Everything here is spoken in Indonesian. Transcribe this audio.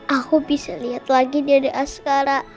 aku bisa lihat lagi dede askara